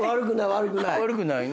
悪くないね。